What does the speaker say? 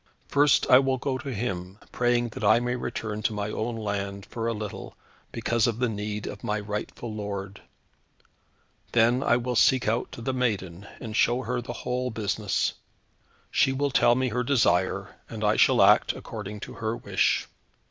First, I will go to him, praying that I may return to my own land, for a little, because of the need of my rightful lord. Then I will seek out the maiden, and show her the whole business. She will tell me her desire, and I shall act according to her wish."